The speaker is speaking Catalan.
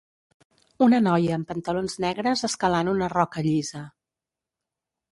Una noia amb pantalons negres escalant una roca llisa.